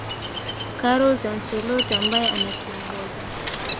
carols ancellot ambaye anakiongoza